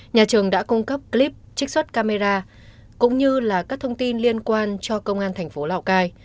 nhà trường đã cung cấp clip trích xuất camera cũng như là các thông tin liên quan cho công an thành phố lào cai